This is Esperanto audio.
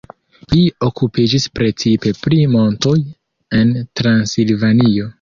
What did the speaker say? Li okupiĝis precipe pri montoj en Transilvanio.